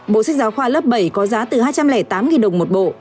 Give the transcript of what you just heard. bộ sách giáo khoa lớp bảy có giá từ hai trăm linh tám đồng một bộ